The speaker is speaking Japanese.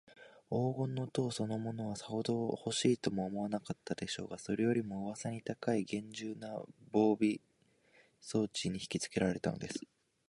黄金の塔そのものは、さほどほしいとも思わなかったでしょうが、それよりも、うわさに高いげんじゅうな防備装置にひきつけられたのです。